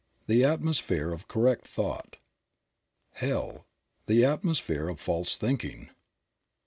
— The atmosphere of correct thought. Hell. — The atmosphere of false thinking.